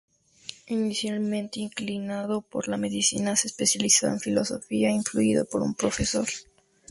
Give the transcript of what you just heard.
Inicialmente inclinado por la medicina, se especializó en filosofía influido por un profesor.